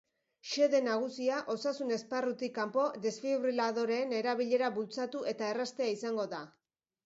Xede nagusia, osasun esparrutik kanpo desfibriladoreen erabilera bultzatu eta erraztea izango da.